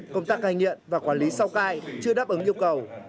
công tác cai nghiện và quản lý sau cai chưa đáp ứng yêu cầu